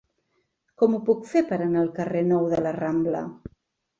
Com ho puc fer per anar al carrer Nou de la Rambla?